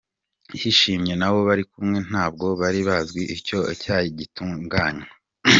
Yishimye n’abo bari kumwe, ntabwo bari bazi uko icyayi gitunganywa.